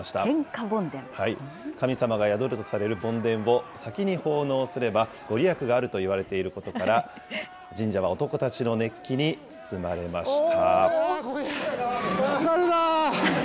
神様が宿るとされる梵天を先に奉納すれば御利益があるといわれていることから、神社は男たちの熱気に包まれました。